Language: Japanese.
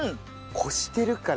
濾してるから。